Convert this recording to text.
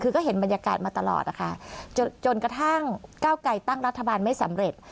คือก็เห็นบรรยากาศมาตลอดนะคะจนกระทั่งเก้าไกรตั้งรัฐบาลไม่สำเร็จ